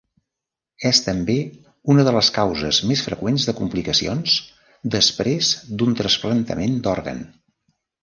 És també una de les causes més freqüents de complicacions després d'un trasplantament d'òrgan.